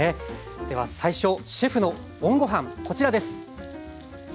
では最初シェフのＯＮごはんこちらです！